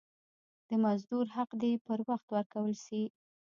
د مزدور حق دي پر وخت ورکول سي.